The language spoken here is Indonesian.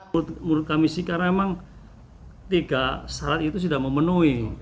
menurut kami sekarang emang tiga syarat itu sudah memenuhi